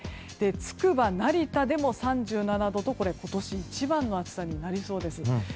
つくば、成田でも３７度と今年一番の暑さになりそうです。